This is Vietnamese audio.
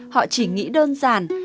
họ chỉ nghĩ đơn giản